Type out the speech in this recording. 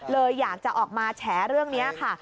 เลยอยากจะออกมาแฉเรื่องนี้ค่ะ